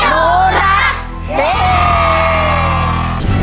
หนูรัก